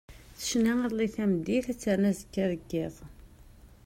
Tecna iḍelli tameddit ad ternu azekka d yiḍ.